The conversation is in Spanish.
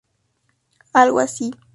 Algo así.